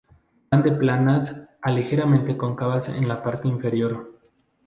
Van de planas a ligeramente cóncavas en la parte inferior.